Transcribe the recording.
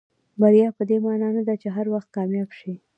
بریا پدې معنا نه ده چې هر وخت کامیاب شئ.